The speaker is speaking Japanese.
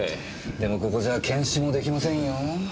でもここじゃあ検視も出来ませんよ。